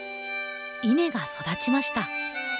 稲が育ちました。